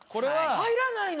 入らないの？